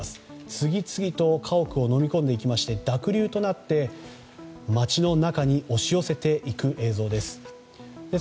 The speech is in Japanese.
次々と家屋をのみ込んでいきまして濁流となって街の中に押し寄せていく映像です。